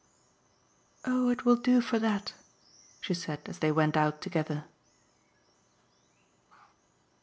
"Oh it will do for that!" she said as they went out together.